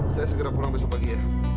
saya segera pulang besok pagi ya